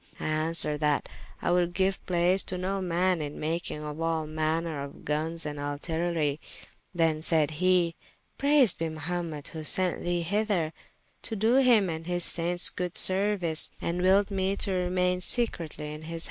I answered, that I would giue place to no man in makyng of all manner of gunnes and artillerie. Then sayde hee, praysed be Mahumet who sent thee hyther, to do hym and his saintes good seruice: and willed me to remayne secretly in his [p.